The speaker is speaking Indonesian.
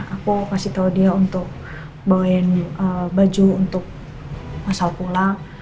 aku kasih tau dia untuk bawain baju untuk masal pulang